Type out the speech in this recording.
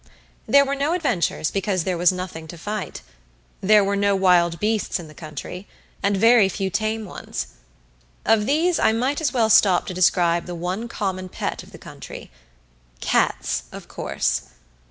There were no adventures because there was nothing to fight. There were no wild beasts in the country and very few tame ones. Of these I might as well stop to describe the one common pet of the country. Cats, of course.